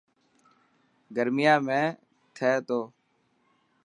گرميان ۾........ٿي تو.